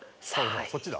そっちだ。